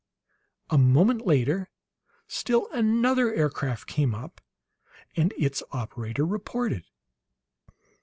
A moment later still another aircraft came up, and its operator reported.